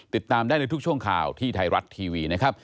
ติดตามได้ในทุกช่วงข่าวที่ไทยรัฐทีวีนะครับ